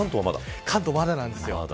関東はまだなんです。